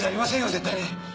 絶対に！